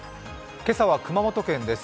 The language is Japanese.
今朝は熊本県です。